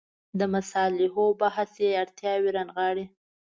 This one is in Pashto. د مصالحو بحث چې اړتیاوې رانغاړي.